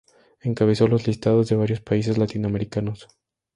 Encabezó los listados de varios países latinoamericanos.